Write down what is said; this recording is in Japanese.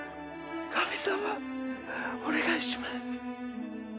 神様お願いします。